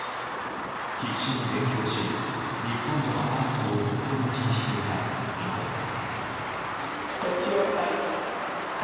必死に勉強し、日本で働くのを心待ちにしていたニコさん。